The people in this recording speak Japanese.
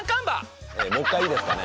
もう１回いいですかね？